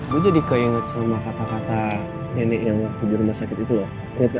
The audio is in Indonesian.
gue jadi keinget sama kata kata nenek yang waktu di rumah sakit itu loh